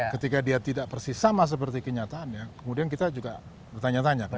ketika dia tidak persis sama seperti kenyataannya kemudian kita juga bertanya tanya